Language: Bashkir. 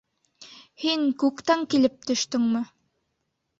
Һин күктән килеп төштөңме?